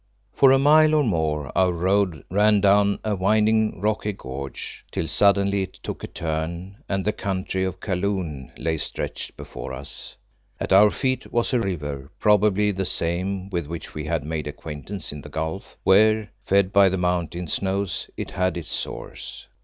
For a mile or more our road ran down a winding, rocky gorge, till suddenly it took a turn, and the country of Kaloon lay stretched before us. At our feet was a river, probably the same with which we had made acquaintance in the gulf, where, fed by the mountain snows, it had its source.